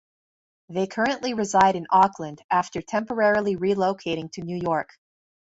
They currently reside in Auckland, after temporarily relocating to New York.